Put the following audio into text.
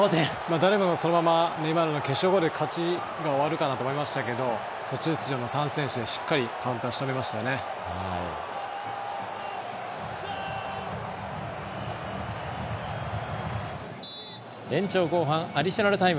誰もがそのままネイマールが決勝まで勝ちが終わるかなと思いましたけど途中出場の３選手でしっかりカウンター延長後半アディショナルタイム。